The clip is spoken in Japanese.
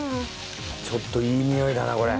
ちょっといいにおいだなこれ。